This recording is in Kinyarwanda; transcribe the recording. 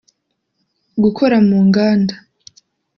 gukora mu nganda